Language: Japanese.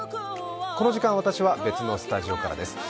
この時間、私は別のスタジオからです。